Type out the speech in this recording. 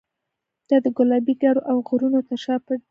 دا د ګلابي ګارو او غرونو تر شا پټ دی.